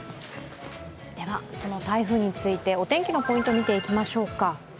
その台風について、お天気のポイント、見ていきましょうか。